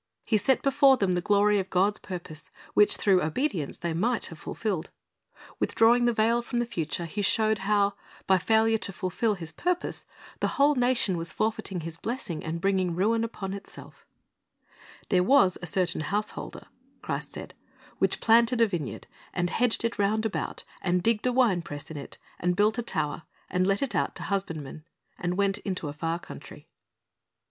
He set before them the glory of God's purpose, which through obedience they might have fulfilled. Withdrawing the veil from the future, He showed how, by failure to fulfil His purpose, the whole nation was forfeiting His blessing, and bringing ruin upon itself "There was a certain householder," Christ said, "which planted a vineyard, and hedged it round about, and digged a wine press in it, and built a tower, and let it out to husbandmen, and went into a far country."